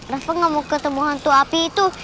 rafa gak mau ketemu hantu api itu